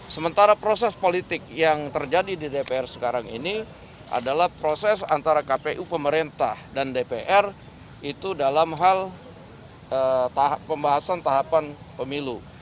sementara proses politik yang terjadi di dpr sekarang ini adalah proses antara kpu pemerintah dan dpr itu dalam hal pembahasan tahapan pemilu